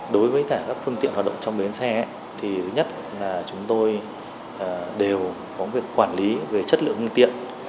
đối với cả các phương tiện hoạt động trong bến xe thì thứ nhất là chúng tôi đều có việc quản lý về chất lượng phương tiện